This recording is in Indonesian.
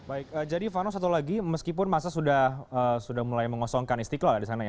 baik jadi vano satu lagi meskipun masa sudah mulai mengosongkan istiqlal di sana ya